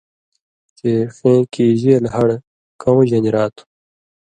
چے ݜېں کیژېل ہڑہۡ کؤں ژن٘دیۡرا تھُو؟